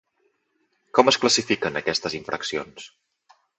Com es classifiquen aquestes infraccions?